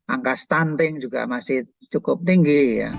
angka stunting juga masih cukup tinggi ya